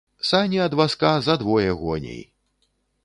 Сані ад вазка за двое гоней.